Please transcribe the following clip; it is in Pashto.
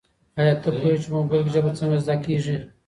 ایا ته پوهېږې چي په موبایل کي ژبه څنګه زده کیږي؟